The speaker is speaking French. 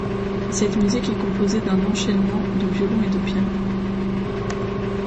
Cette musique est composée d'enchainements de violon et de piano.